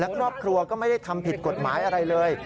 และครอบครัวก็ไม่ได้ทำผิดกฎหมายอะไรเลย